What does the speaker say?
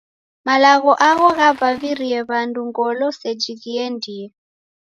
Malagho agho ghavavivirie w'andu ngolo seji ghiendie.